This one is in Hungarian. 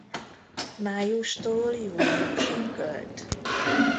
Májustól júniusig költ.